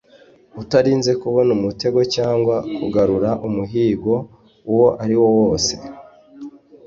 utarinze kubona umutego cyangwa kugarura umuhigo uwo ari wo wose